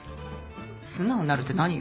素直になるって何よ？